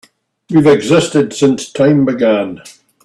We've existed since time began.